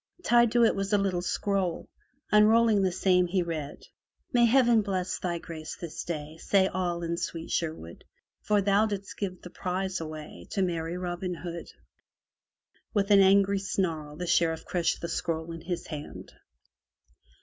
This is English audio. Tied to it was a little scroll. Unrolling the same, he read: May heaven bless thy grace this day. Say all in sweet Sherwood; For thou didst give the prize away To merry Robin Hood. With an angry snarl the Sheriff crushed the scroll in his hand.